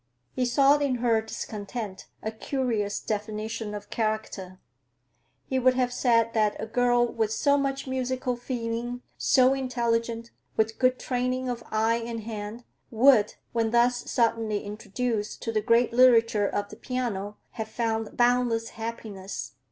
He saw in her discontent a curious definition of character. He would have said that a girl with so much musical feeling, so intelligent, with good training of eye and hand, would, when thus suddenly introduced to the great literature of the piano, have found boundless happiness.